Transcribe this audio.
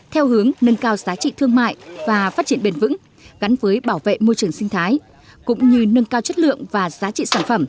theo hướng nâng cao giá trị thương mại và phát triển bền vững gắn với bảo vệ môi trường sinh thái